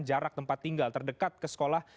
jarak tempat tinggal terdekat ke sekolah